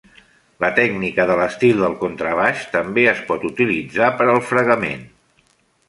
La tècnica de l'estil del contrabaix també es pot utilitzar per al fregament.